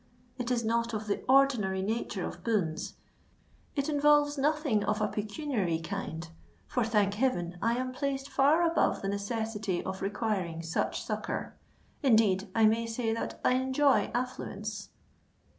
It is not of the ordinary nature of boons—it involves nothing of a pecuniary kind; for, thank heaven! I am placed far above the necessity of requiring such succour. Indeed, I may say that I enjoy affluence."